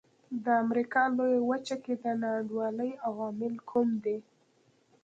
د امریکا لویه وچه کې د نا انډولۍ عوامل کوم دي.